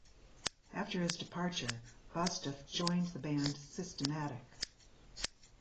After his departure, Bostaph joined the band Systematic.